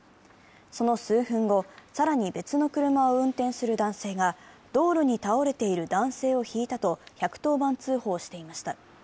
その数分後、更に別の車を運転する男性が道路に倒れている男性をひいたと１１０番通報していました。